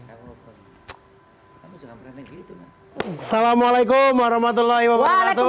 assalamualaikum warahmatullahi wabarakatuh